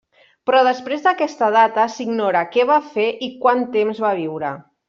Però després d'aquesta data, s'ignora que va fer i quant temps va viure.